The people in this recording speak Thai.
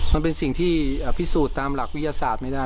มันเป็นสิ่งที่พิสูจน์ตามหลักวิทยาศาสตร์ไม่ได้